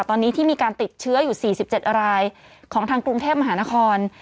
ตอนนี้ที่มีการติดเชื้ออยู่๔๗รายของทางกรุงเทพมหานคร